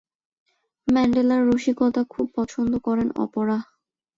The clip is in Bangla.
ম্যান্ডেলার রসিকতা খুব পছন্দ করেন অপরাহ্।